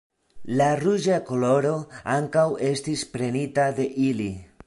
La ruĝa koloro ankaŭ estis prenita de ili.